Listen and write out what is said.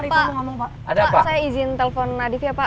pak pak pak saya izin telpon nadif ya pak